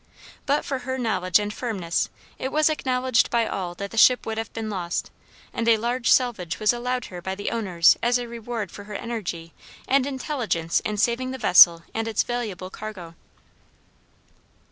But for her knowledge and firmness it was acknowledged by all that the ship would have been lost; and a large salvage was allowed her by the owners as a reward for her energy and intelligence in saving the vessel and its valuable cargo.